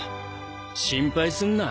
心配すんな。